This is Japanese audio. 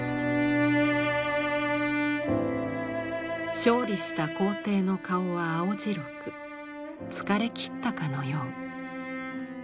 勝利した皇帝の顔は青白く疲れきったかのよう。